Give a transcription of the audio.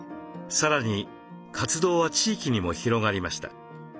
さらに活動は地域にも広がりました。